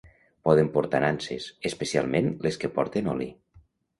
Poden portar nanses, especialment les que porten oli.